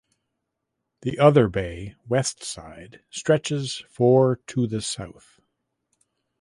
The other bay (west side) stretches for to the south.